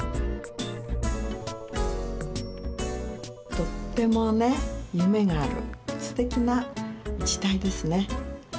とってもね夢があるすてきな字体ですね。